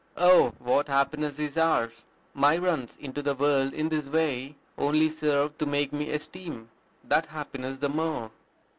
Oh, what happiness is ours! My runs into the world in this way only serve to make me esteem that happiness the more."